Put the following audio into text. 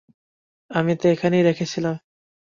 আমি তো এখানেই রেখেছিলাম।